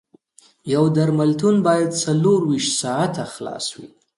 یو درملتون باید څلور ویشت ساعته خلاص وي